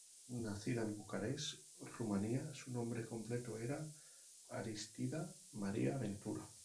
Nacida en Bucarest, Rumanía, su nombre completo era Aristida Maria Ventura.